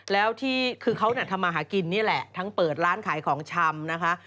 แล้วที่คือเขาทำมาหากินนี่แหละทั้งเปิดร้านขายของชำนะคะ